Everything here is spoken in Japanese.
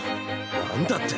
何だって？